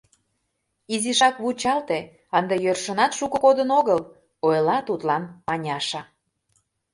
— Изишак вучалте, ынде йӧршынат шуко кодын огыл, — ойла тудлан Маняша.